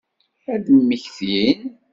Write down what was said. Ad mmektin?